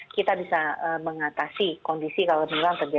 kita bisa mengatasi kondisi kalau